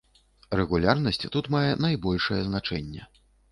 Рэгулярнасць тут мае найбольшае значэнне.